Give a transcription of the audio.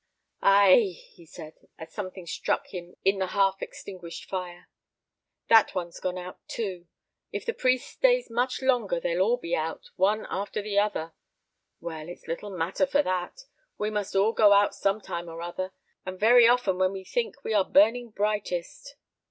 "Ay e!" he said, as something struck him in the half extinguished fire, "that one's gone out too. If the priest stays much longer they'll all be out, one after the other. Well, it's little matter for that; we must all go out some time or another, and very often when we think we are burning brightest.